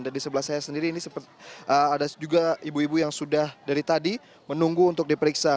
dan di sebelah saya sendiri ini ada juga ibu ibu yang sudah dari tadi menunggu untuk diperiksa